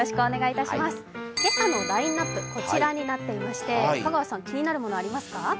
今朝のラインナップ、こちらになっていまして、香川さん、気になるものありますか？